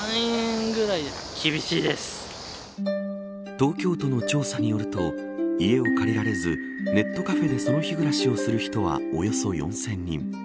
東京都の調査によると家を借りられずネットカフェでその日暮らしをする人はおよそ４０００人。